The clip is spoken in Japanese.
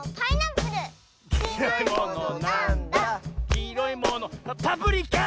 「きいろいものパプリカ！」